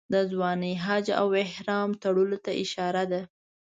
د ځوانۍ حج او احرام تړلو ته اشاره ده.